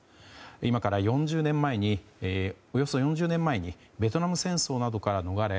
今からおよそ４０年前にベトナム戦争などから逃れ